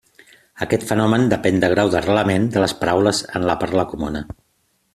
Aquest fenomen depèn del grau d'arrelament de les paraules en la parla comuna.